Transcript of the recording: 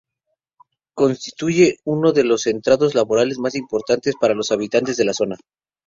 Constituye uno de los centros laborales más importantes para los habitantes de la zona.